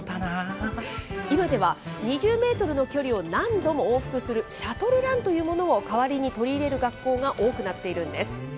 今では、２０メートルの距離を何度も往復するシャトルランというものを代わりに取り入れる学校が多くなっているんです。